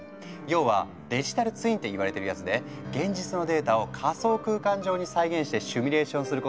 要はデジタルツインって言われてるやつで現実のデータを仮想空間上に再現してシミュレーションすることができるの。